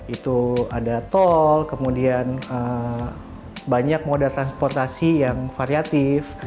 itu ada tol kemudian banyak moda transportasi yang variatif